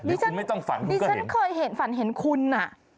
หรือคุณไม่ต้องฝันคุณก็เห็นนี่ฉันเคยฝันเห็นคุณอ่ะ